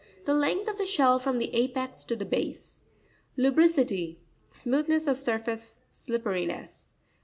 —The length of the shell from the apex to the base. Lusri'ciry.—Smoothness of surface, slipperiness.